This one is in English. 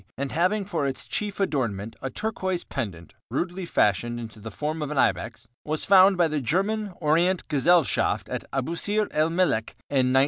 and having for its chief adornment a turquoise pendant rudely fashioned into the form of an ibex, was found by the German Orient Gesellschaft at Abusîr el Meleq in 1905.